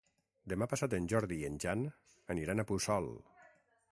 Demà passat en Jordi i en Jan aniran a Puçol.